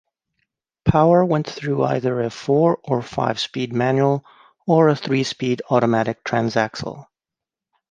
Power went through either a four-or five-speed manual, or a three-speed automatic transaxle.